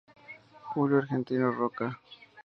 Julio Argentino Roca.